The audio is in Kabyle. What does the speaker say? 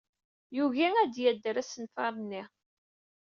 Yugi ad d-yader asenfar-nni.